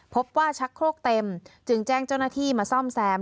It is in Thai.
ชักโครกเต็มจึงแจ้งเจ้าหน้าที่มาซ่อมแซม